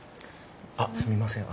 あっすみません